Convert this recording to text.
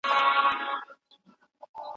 هند ولي په افغانستان کي پراختیایي پروژې تمویلوي؟